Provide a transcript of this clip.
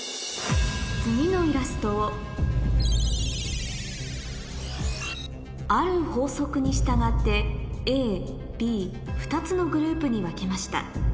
次のイラストをある法則に従ってＡＢ２つのグループに分けました